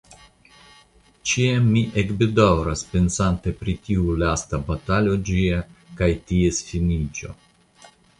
Ĉiam mi ekbedaŭras pensante pri tiu lasta batalo ĝia kaj ties finiĝo.